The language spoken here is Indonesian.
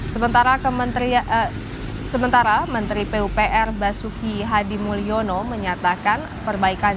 sementara menteri pupr basuki hadimulyono menyatakan perbaikan